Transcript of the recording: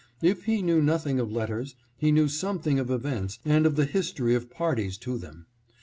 If he knew nothing of letters, he knew something of events and of the history of parties to them.